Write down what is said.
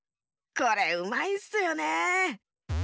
これうまいんすよね。